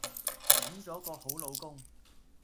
搵咗個好老公